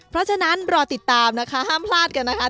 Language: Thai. เพราะฉะนั้นรอติดตามนะคะห้ามพลาดกันนะคะ